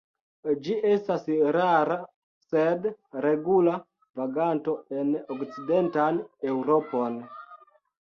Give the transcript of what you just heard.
Ĝi estas rara sed regula vaganto en okcidentan Eŭropon.